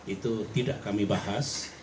itu tidak kami bahas